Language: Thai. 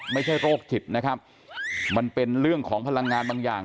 ไม่ใช่โรคจิตนะครับมันเป็นเรื่องของพลังงานบางอย่าง